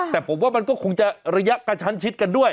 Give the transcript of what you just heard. แต่ผมว่ามันก็คงจะระยะกระชั้นชิดกันด้วย